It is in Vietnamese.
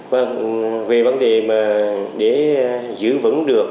vâng về vấn đề mà để giữ vững được